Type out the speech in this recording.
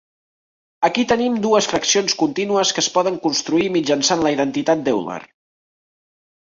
Aquí tenim dues fraccions contínues que es poden construir mitjançant la identitat d'Euler.